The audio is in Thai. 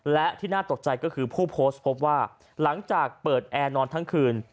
และที่น่าตกใจก็คือผู้โพสต์พบว่าหลังจากเปิดแอร์นอนทั้งคืน